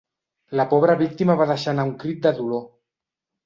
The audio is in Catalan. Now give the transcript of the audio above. La pobra víctima va deixar anar un crit de dolor.